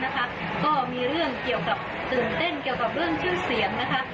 ก็มีเรื่องเกี่ยวกับตื่นเต้นเกี่ยวกับเรื่องชื่อเสียงนะคะ